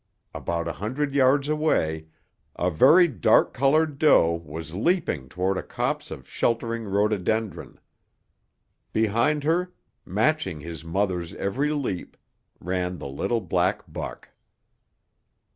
About a hundred yards away, a very dark colored doe was leaping toward a copse of sheltering rhododendron. Behind her, matching his mother's every leap, ran the little black buck.